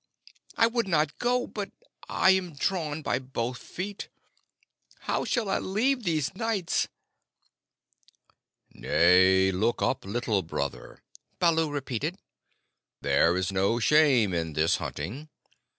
I would not go; but I am drawn by both feet. How shall I leave these nights?" "Nay, look up, Little Brother," Baloo repeated. "There is no shame in this hunting.